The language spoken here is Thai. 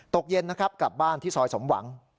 ตกเย็นนะครับกลับบ้านที่ซอยสมหวัง